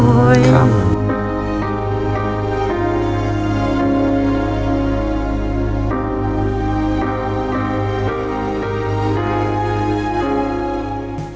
อืมอุ้ยครับ